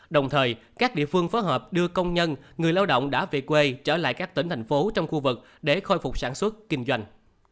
đồng thời các địa phương phối hợp đưa công nhân người lao động đã về quê trở lại các tỉnh thành phố trong khu vực để khôi phục sản xuất kinh doanh